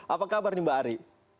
apa kabar nih mbak ari